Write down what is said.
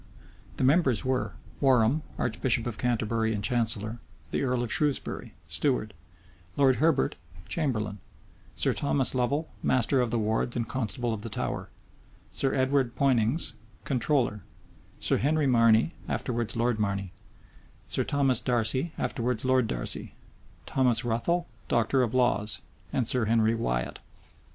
The members were, Warham, archbishop of Canterbury and chancellor; the earl of Shrewsbury, steward; Lord Herbert, chamberlain; Sir Thomas Lovel, master of the wards and constable of the Tower; Sir Edward Poynings, comptroller; Sir Henry Marney, afterwards Lord Marney; Sir Thomas Darcy, afterwards Lord Darcy; Thomas Ruthal, doctor of laws; and Sir Henry Wyat.